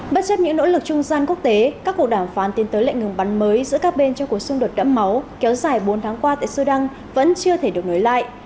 bất chấp những nỗ lực trung gian quốc tế các cuộc đàm phán tiến tới lệnh ngừng bắn mới giữa các bên trong cuộc xung đột đẫm máu kéo dài bốn tháng qua tại sudan vẫn chưa thể được nối lại